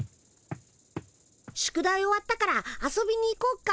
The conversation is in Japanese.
宿題終わったから遊びに行こっか。